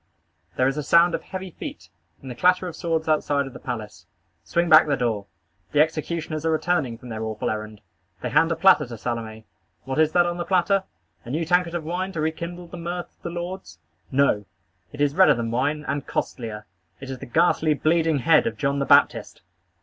There is a sound of heavy feet, and the clatter of swords outside of the palace. Swing back the door. The executioners are returning, from their awful errand. They hand a platter to Salome. What is that on the platter? A new tankard of wine to rekindle the mirth of the lords? No! It is redder than wine, and costlier. It is the ghastly, bleeding head of John the Baptist!